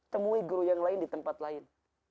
temui guru yang lain di tempat lain